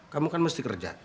kamu kan mesti kerja